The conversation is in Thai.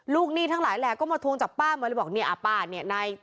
หนี้ทั้งหลายแหละก็มาทวงจากป้ามาเลยบอกเนี่ยอ่าป้าเนี่ยนาย